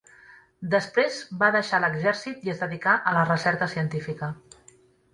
Després va deixar l'exèrcit i es dedicà a la recerca científica.